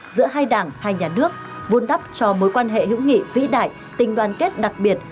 giữa hai đảng hai nhà nước vun đắp cho mối quan hệ hữu nghị vĩ đại tình đoàn kết đặc biệt